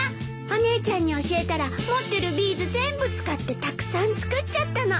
お姉ちゃんに教えたら持ってるビーズ全部使ってたくさん作っちゃったの。